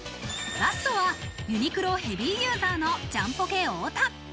ラストはユニクロ・ヘビーユーザーのジャンポケ太田。